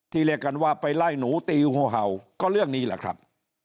เรียกกันว่าไปไล่หนูตีหัวเห่าก็เรื่องนี้แหละครับ